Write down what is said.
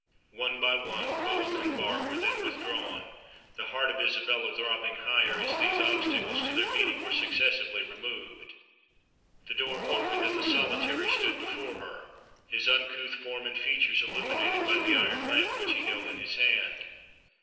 One by one, bolt and bar were then withdrawn, the heart of Isabella throbbing higher as these obstacles to their meeting were successively removed. The door opened, and the Solitary stood before her, his uncouth form and features illuminated by the iron lamp which he held in his hand.